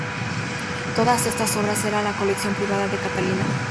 Todas estas obras eran la colección privada de Catalina.